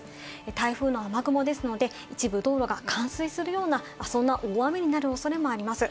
台風の雨雲ですので、一部道路が冠水するような、そんな大雨になる恐れもあります。